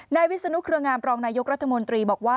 วิศนุเครืองามรองนายกรัฐมนตรีบอกว่า